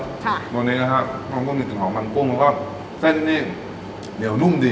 ตัวนี้นะครับมันก็มีกลิ่นหอมมันกุ้งแล้วก็เส้นนี้เหนียวนุ่มดี